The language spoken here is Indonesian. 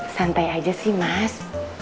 santai aja sih mas